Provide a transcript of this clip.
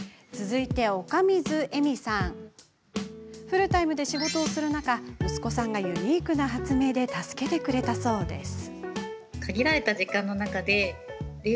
フルタイムで仕事をする中息子さんがユニークな発明で助けてくれたそうです。